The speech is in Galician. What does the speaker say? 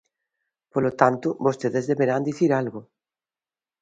Polo tanto, vostedes deberán dicir algo.